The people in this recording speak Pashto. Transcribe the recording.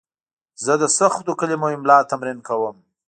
زه د سختو کلمو املا تمرین کوم.